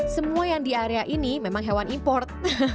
semua yang di area ini memang hewan import